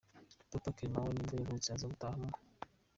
Papa Clement wa nibwo yavutse aza gutaha mu .